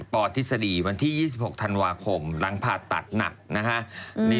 ปทฤษฎีวันที่๒๖ธันวาคมหลังผ่าตัดหนักนะฮะ